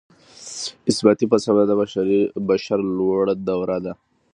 اثباتي فلسفه د بشر لوړه دوره ده.